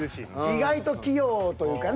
意外と器用というかね。